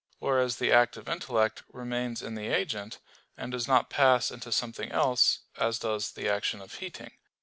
Whereas the act of intellect remains in the agent, and does not pass into something else, as does the action of heating.